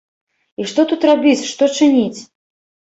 І што тут рабіць, што чыніць?